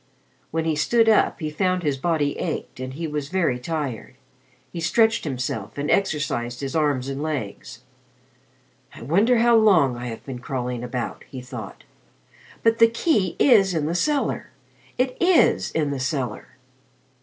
When he stood up, he found his body ached and he was very tired. He stretched himself and exercised his arms and legs. "I wonder how long I have been crawling about," he thought. "But the key is in the cellar. It is in the cellar."